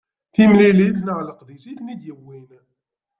Timentilt neɣ leqdic i ten-id-yewwin.